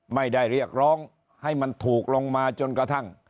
เรียกร้องให้มันถูกลงมาจนกระทั่ง